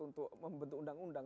untuk membentuk undang undang